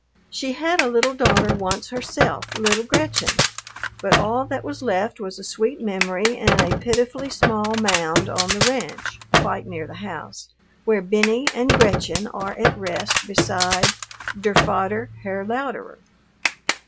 She had a little daughter once herself, little Gretchen, but all that was left was a sweet memory and a pitifully small mound on the ranch, quite near the house, where Benny and Gretchen are at rest beside "der fader, Herr Louderer."